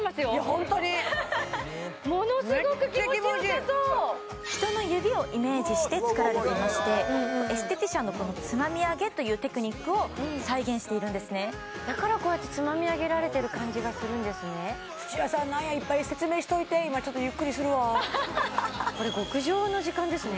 本当にめっちゃ気持ちいいものすごく気持ちよさそう人の指をイメージして作られていましてエステティシャンのつまみ上げというテクニックを再現しているんですねだからこうやってつまみ上げられてる感じがするんですね土屋さん何やいっぱい説明しといて今ちょっとこれ極上の時間ですね